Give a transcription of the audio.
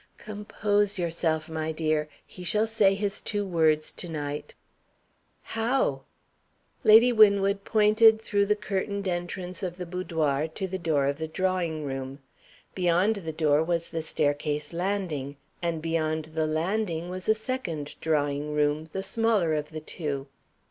"Compose yourself, my dear; he shall say his two words to night." "How?" Lady Winwood pointed through the curtained entrance of the boudoir to the door of the drawing room. Beyond the door was the staircase landing. And beyond the landing was a second drawing room, the smaller of the two.